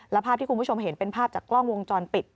และภาพที่คุณผู้ชมเห็นเป็นภาพจากกล้องวงจรปิด